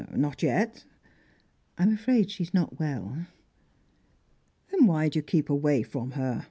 "Not yet." "I'm afraid she's not well." "Then why do you keep away from her?"